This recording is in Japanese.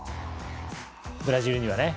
ブラジルにはね。